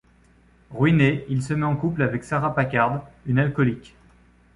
Ruiné, il se met en couple avec Sarah Packard, une alcoolique.